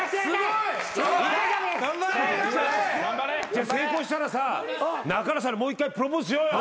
じゃあ成功したらさ中原さんにもう一回プロポーズしようよ。